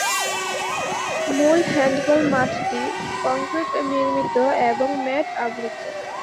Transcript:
মূল হ্যান্ডবল মাঠটি কংক্রিট নির্মিত এবং ম্যাট আবৃত।